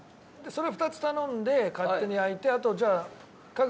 それ２つ頼んで勝手に焼いてあとじゃあ各自丼物頼む？